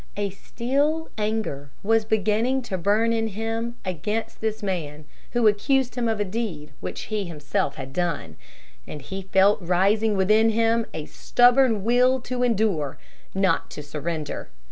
A still anger was beginning to burn in him against this man who accused him of a deed which he himself had done, and he felt rising within him a stubborn will to endure, not to surrender.